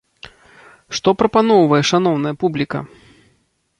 Што прапаноўвае шаноўная публіка?